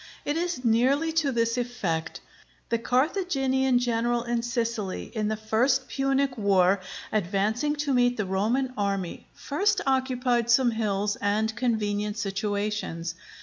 It is nearly to this effect: The Carthaginian general in Sicily, in the first Punic war, advancing to meet the Roman army, first occupied some hills and convenient situations.